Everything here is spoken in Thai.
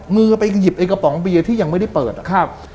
มือไปหยิบไอ้กระป๋องเบียร์ที่ยังไม่ได้เปิดอ่ะครับ